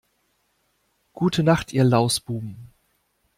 Gute Nacht ihr Lausbuben!